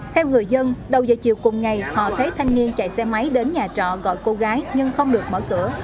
theo người dân đầu giờ chiều cùng ngày họ thấy thanh niên chạy xe máy đến nhà trọ gọi cô gái nhưng không được mở cửa